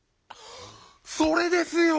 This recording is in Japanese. それですよ！